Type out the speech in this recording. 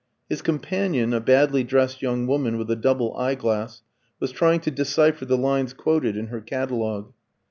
His companion, a badly dressed young woman with a double eye glass, was trying to decipher the lines quoted in her catalogue.